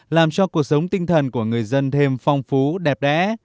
làm cho cuộc sống tinh thần của người dân thêm phong phú đẹp đẽ